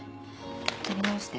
やり直して。